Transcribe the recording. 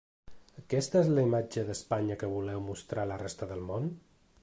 Aquesta és la imatge d‘Espanya que voleu mostrar a la resta del món?’